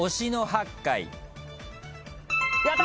やった！